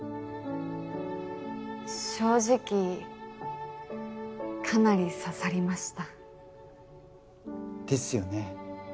正直かなり刺さりました。ですよね。